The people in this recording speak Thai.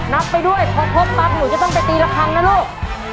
นับไปด้วยพอครบปั๊บหนูจะต้องไปตีละครั้งนะลูก